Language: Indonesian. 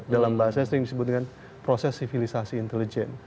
dalam bahasanya sering disebut dengan proses sivilisasi intelijen